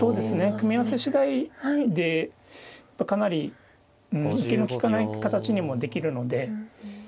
組み合わせしだいでかなり受けの利かない形にもできるので。